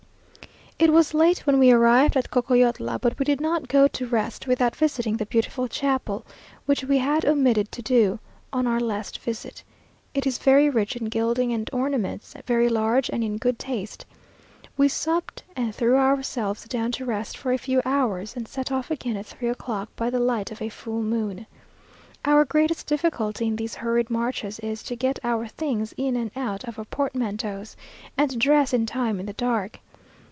It was late when we arrived at Cocoyotla, but we did not go to rest without visiting the beautiful chapel, which we had omitted to do on our last visit; it is very rich in gilding and ornaments, very large and in good taste. We supped, and threw ourselves down to rest for a few hours, and set off again at three o'clock, by the light of a full moon. Our greatest difficulty in these hurried marches is to get our things in and out of our portmanteaus, and to dress in time in the dark.